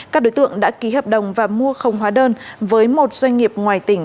các đối tượng đã ký hợp đồng và mua không hóa đơn với một doanh nghiệp ngoài tỉnh